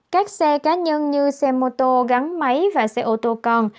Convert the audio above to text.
các xe cá nhân như xe mô tô gắn máy và xe ô tô còn